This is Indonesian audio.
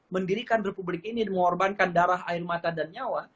mendirikan republik ini dan mengorbankan darah air mata dan nyawa